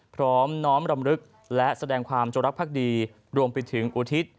น้อมรำลึกและแสดงความจงรักภักดีรวมไปถึงอุทิศ